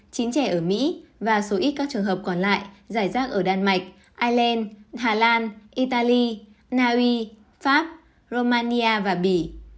chín trẻ ở mỹ và số ít các trường hợp còn lại giải rác ở đan mạch ireland hà lan italy naui pháp romania và bỉ